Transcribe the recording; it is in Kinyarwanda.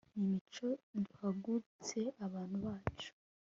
nimucyo duhagurutse abantu bacu